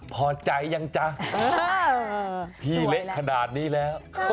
พอใจยังจ๊ะพี่เละขนาดนี้แล้ว